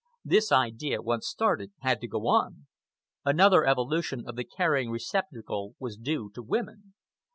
The idea, once started, had to go on. Another evolution of the carrying receptacle was due to the women.